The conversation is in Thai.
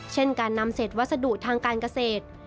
เช่นการนำเศษวัสดุทางการเกษตร